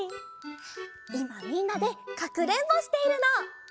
いまみんなでかくれんぼしているの。